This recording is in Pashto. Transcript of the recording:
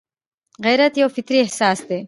غیرت یو فطري احساس دی